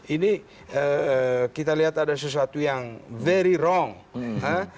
ini kita lihat ada sesuatu yang sangat salah